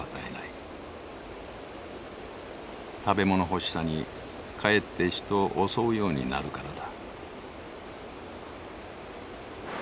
食べ物欲しさにかえって人を襲うようになるからだ。